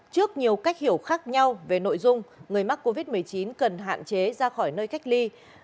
trước nhiều cách hiểu khác nhau về nội dung người mắc covid một mươi chín cần hạn chế ra khỏi nơi cách ly